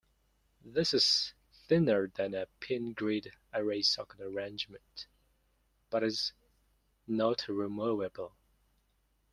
This is thinner than a pin grid array socket arrangement, but is not removable.